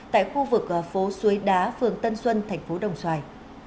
tại khu vực phố suối đá phường tân xuân thành phố đồng xoài